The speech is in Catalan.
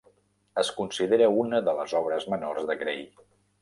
Es considera una de les obres menors de Gray.